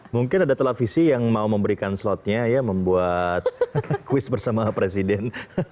mungkin ada televisi yang mau memberikan slotnya ya membuat kuis bersama presiden